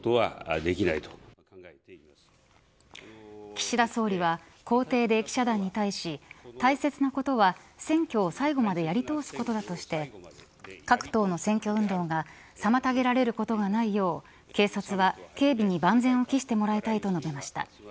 岸田総理は公邸で記者団に対し大切なことは選挙を最後までやり通すことだとして各党の選挙運動が妨げられることがないよう警察は警備に万全を期してもらいたいと述べました。